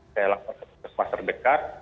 saya lapor ke puskesmas terdekat